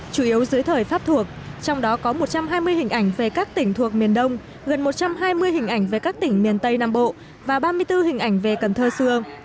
chủ yếu dưới thời pháp thuộc trong đó có một trăm hai mươi hình ảnh về các tỉnh thuộc miền đông gần một trăm hai mươi hình ảnh về các tỉnh miền tây nam bộ và ba mươi bốn hình ảnh về cần thơ xưa